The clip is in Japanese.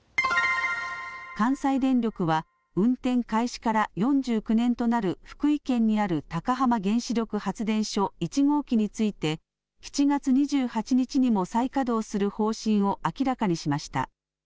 関西電力は運転開始から４９年となる福井県にある高浜原子力発電所１号機について７月２８日にも再稼働する方針を明らかにしました。